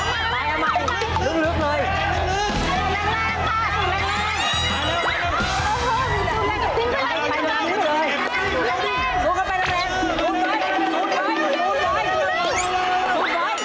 ลุกเข้าไปด้วยพร้อม